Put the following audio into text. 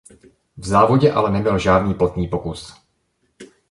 V závodě ale neměl žádný platný pokus.